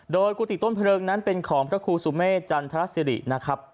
โดยกุฏิต้นเพลิงนั้นเป็นของพระครูสุเมฆจันทรสิรินะครับ